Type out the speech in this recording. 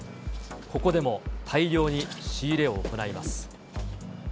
ここでも大量に仕入れを行います。